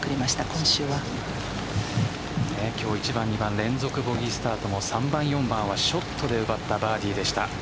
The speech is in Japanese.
今週は今日１番２番連続ボギースタートも３番、４番はショットで奪ったバーディーでした。